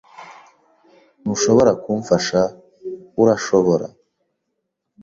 Ntushobora kumfasha, urashobora?